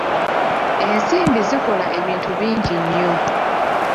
Ensimbi zikola ebinti bingi nnyo